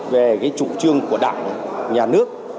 về chủ trương của đảng nhà nước